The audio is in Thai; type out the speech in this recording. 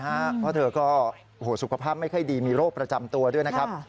เพราะเธอก็สุขภาพไม่ค่อยดีมีโรคประจำตัวด้วยนะครับ